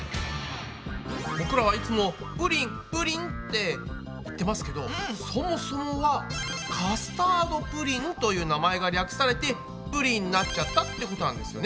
僕らはいつもプリンプリンって言ってますけどそもそもは「カスタードプリン」という名前が略されて「プリン」になっちゃったってことなんですよね。